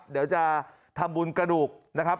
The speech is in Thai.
เดี๋ยวจะทำบุญกระดูกนะครับ